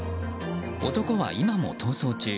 男は今も逃走中。